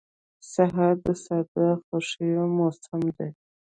سهار د ساده خوښیو موسم دی.